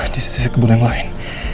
di sisi kebun yang lain